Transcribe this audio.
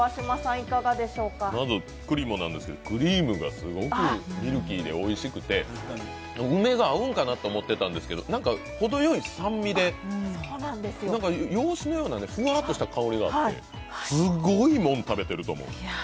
まずくりもなんですけど、クリームがすごくクリーミーでおいしくて梅が合うんかなと思ってたんですけど、ほどよい酸味で洋酒のようなふわっとした香りがあって、すごいもん食べてると思う。